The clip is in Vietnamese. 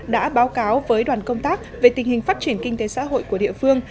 đã báo cáo với đoàn công tác về tình hình phát triển kinh tế xã hội của địa phương